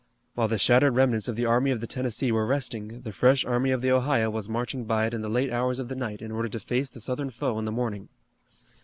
While the shattered remnants of the army of the Tennessee were resting, the fresh army of the Ohio was marching by it in the late hours of the night in order to face the Southern foe in the morning.